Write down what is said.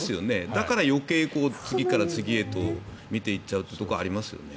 だから、余計次から次へと見ていっちゃうというところはありますよね。